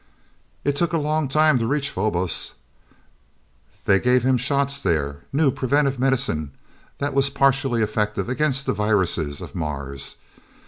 It took a long time to reach Phobos. They gave him shots there new preventative medicine that was partially effective against the viruses of Mars.